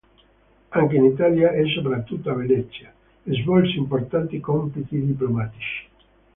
Anche in Italia, e soprattutto a Venezia, svolse importanti compiti diplomatici.